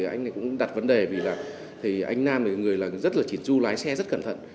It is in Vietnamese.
anh này cũng đặt vấn đề vì là anh nam là người là rất là chỉn du lái xe rất cẩn thận